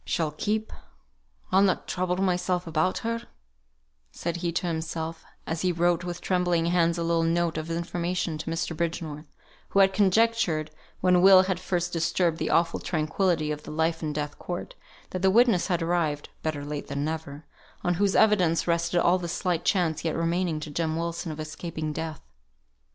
"She'll keep! I'll not trouble myself about her," said he to himself, as he wrote with trembling hands a little note of information to Mr. Bridgenorth, who had conjectured, when Will had first disturbed the awful tranquillity of the life and death court, that the witness had arrived (better late than never) on whose evidence rested all the slight chance yet remaining to Jem Wilson of escaping death.